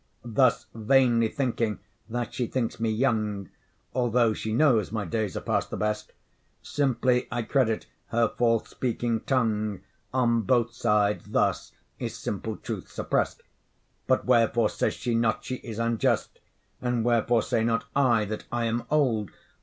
Thus vainly thinking that she thinks me young, Although she knows my days are past the best, Simply I credit her false speaking tongue: On both sides thus is simple truth suppressed: But wherefore says she not she is unjust? And wherefore say not I that I am old?